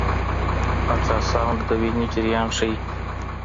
الټراساؤنډ د وینې جریان ښيي.